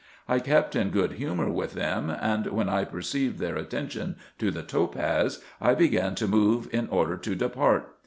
I kept in good humour with them ; and when I perceived their attention to the topaz, I began to move in order to depart.